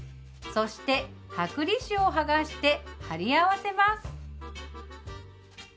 そして剥離紙を剥がして貼り合わせます。